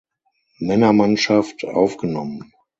Männermannschaft aufgenommen.